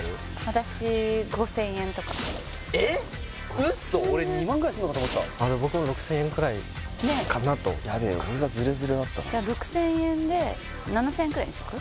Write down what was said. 私５０００円とかえっウッソ俺２万ぐらいすんのかと思ってた僕も６０００円くらいかなとヤベえ俺がズレズレだったなじゃ６０００円で７０００円くらいにしとく？